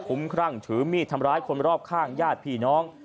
คุ้มครั่งถือมีดทำร้ายคนรอบข้างญาติพี่น้อง